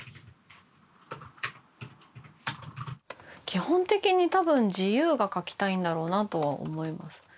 基本的に多分自由が書きたいんだろうなとは思います。